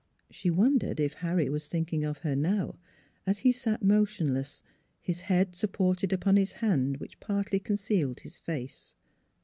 ... She wondered if Harry was thinking of her now as he sat motionless, his head supported upon his hand which partly concealed his face.